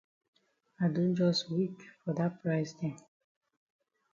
I don jus weak for dat price dem.